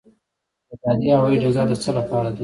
دهدادي هوايي ډګر د څه لپاره دی؟